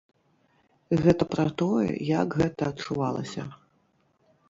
Гэта пра тое, як гэта адчувалася.